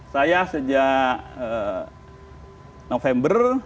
saya sejak november